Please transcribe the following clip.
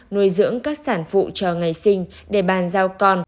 nuôi dưỡng các sản phụ cho ngày sinh để bàn giao con